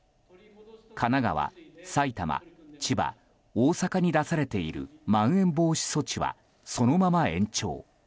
神奈川、埼玉、千葉、大阪に出されているまん延防止措置はそのまま延長。